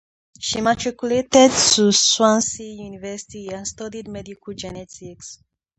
She matriculated to Swansea University and studied medical genetics.